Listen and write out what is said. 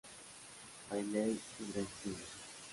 Bailey y Drake Younger.